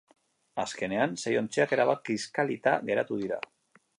Azkenean, sei ontziak erabat kiskalita geratu dira.